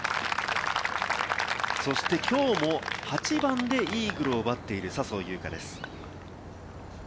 そしてきょうも８番でイーグルを奪っている笹生優花です。